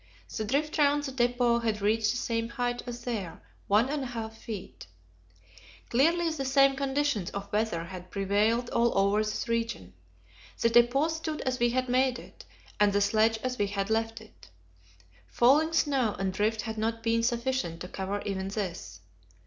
The drift round the depot had reached the same height as there 1 1/2 feet. Clearly the same conditions of weather had prevailed all over this region. The depot stood as we had made it, and the sledge as we had left it. Falling snow and drift had not been sufficient to cover even this.